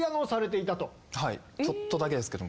ちょっとだけですけど。